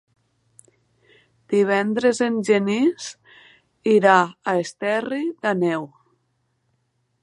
Divendres en Genís irà a Esterri d'Àneu.